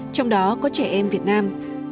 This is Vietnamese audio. trong đó có trẻ em việt nam